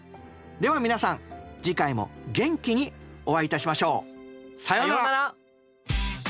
では皆さん次回も元気にお会いいたしましょう。さようなら！